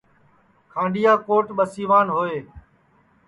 کھانڈؔیا کوٹ ٻسیوان ہوئے